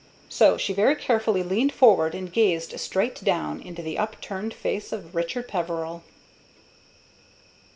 So she very carefully leaned forward and gazed straight down into the upturned face of Richard Peveril.